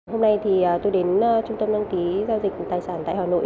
hôm nay thì tôi đến trung tâm đăng ký giao dịch tài sản tại hà nội